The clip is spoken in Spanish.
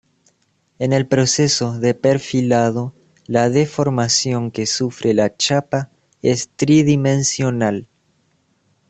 En el proceso de perfilado, la deformación que sufre la chapa es tridimensional.